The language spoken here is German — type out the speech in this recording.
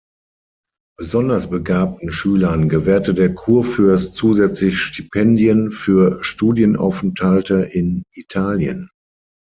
Besonders begabten Schülern gewährte der Kurfürst zusätzlich Stipendien für Studienaufenthalte in Italien.